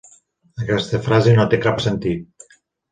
Aquesta frase no té cap sentit.